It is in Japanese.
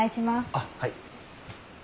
あっはい。